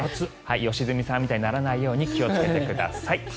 良純さんみたいにならないように気をつけてください。